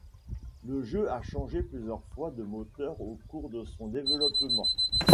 Le jeu a changé plusieurs fois de moteur au cours de son développement.